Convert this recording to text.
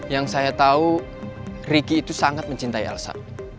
yang saya tau riki itu sangat mencintai elsa